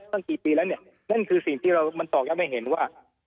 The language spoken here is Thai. ตั้งกี่ปีแล้วเนี่ยนั่นคือสิ่งที่เรามันตอกย้ำให้เห็นว่า